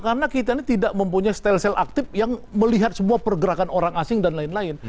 karena kita ini tidak mempunyai style style aktif yang melihat semua pergerakan orang asing dan lain lain